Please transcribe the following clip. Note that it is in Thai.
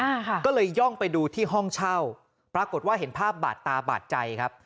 อ่าค่ะก็เลยย่องไปดูที่ห้องเช่าปรากฏว่าเห็นภาพบาดตาบาดใจครับ